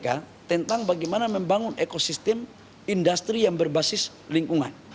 kita harus memiliki kekuatan yang lebih baik untuk membangun ekosistem industri yang berbasis lingkungan